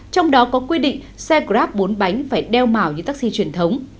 trong đó có quy định xe grab bốn bánh phải đeo màu như taxi truyền thống